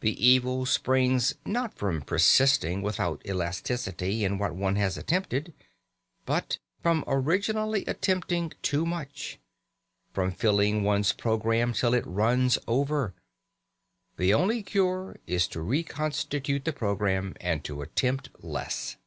The evil springs not from persisting without elasticity in what one has attempted, but from originally attempting too much, from filling one's programme till it runs over. The only cure is to reconstitute the programme, and to attempt less.